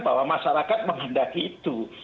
bahwa masyarakat mengandalkan itu